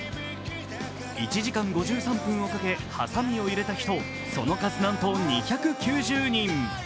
１時間５３分をかけ、はさみを入れた人、その数なんと２９０人。